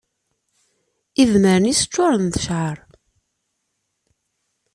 Idmaren-nnes ccuṛen d cceɛṛ.